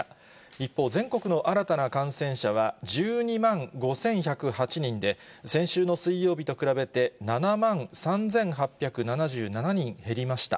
一方、全国の新たな感染者は１２万５１０８人で、先週の水曜日と比べて、７万３８７７人減りました。